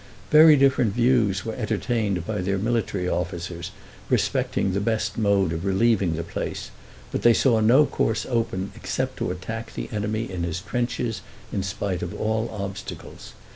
Very different views were entertained by their military officers respecting the best mode of relieving the place, but they saw no course open except to attack the enemy in his trenches, in spite of all obstacles.